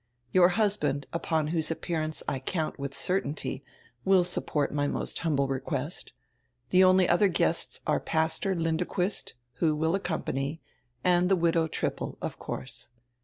Your husband, upon whose appear ance I count with certainty, will support my most humble request. The only other guests are Pastor Lindequist, who will accompany, and the widow Trippel, of course.